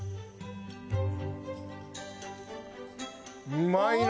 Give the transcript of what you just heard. うまいな！